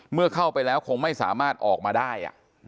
เมื่อเข้าไปแล้วคงไม่สามารถออกมาได้